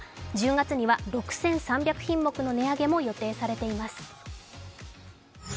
１０月には６３００品目の値上げも予定されています。